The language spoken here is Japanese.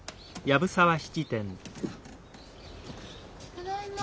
ただいま。